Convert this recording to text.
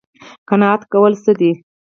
قناعت کول څه دي؟